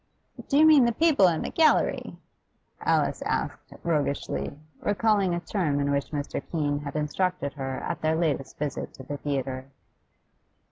'Do you mean the people in the gallery?' Alice asked roguishly, recalling a term in which Mr. Keene had instructed her at their latest visit to the theatre.